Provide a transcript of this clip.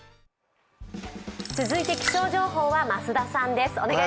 続いて気象情報は増田さんです。